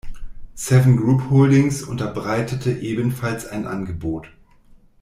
Seven Group Holdings unterbreitete ebenfalls ein Angebot.